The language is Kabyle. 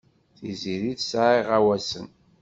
Tiziri tesɛa iɣawasen.